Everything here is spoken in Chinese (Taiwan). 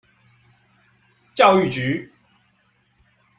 教育局